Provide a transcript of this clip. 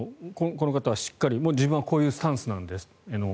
この方はしっかり自分はこういうスタンスなんです